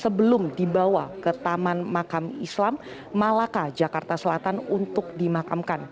sebelum dibawa ke taman makam islam malaka jakarta selatan untuk dimakamkan